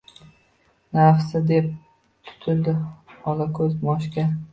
Nafsi deb tutildi olako‘z Moshga!